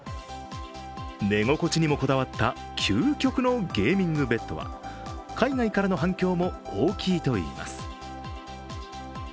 寝心地にもこだわった究極のゲーミングベッドは海外からの反響も大きいといいます。